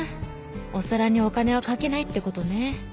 お皿にお金はかけないってことね。